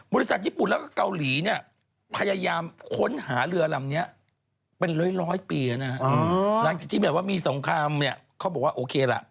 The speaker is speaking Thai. บริษัทญี่ปุ่นแล้วก็เกาหลีเนี่ยพยายามค้นหาเรือลำนี้เป็นร้อยปีนะฮะหลังจากที่แบบว่ามีสงครามเนี่ยเขาบอกว่าโอเคล่ะ